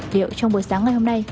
liệu trong buổi sáng ngày hôm nay